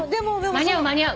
間に合う間に合う。